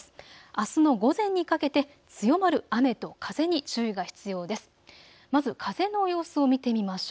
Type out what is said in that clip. あすの午前にかけて強まる雨と風に注意が必要です。